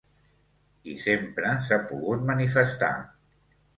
I sempre s’ha pogut manifestar.